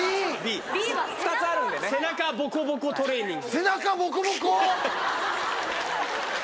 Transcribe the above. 背中ボコボコトレーニング。